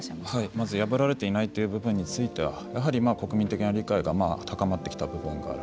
まず破られていないという部分についてはやはり国民的な理解が高まってきた部分がある。